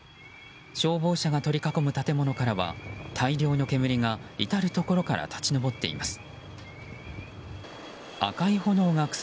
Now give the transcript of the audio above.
消防車が取り囲む建物からは大量の煙が至るところから立ち上っています。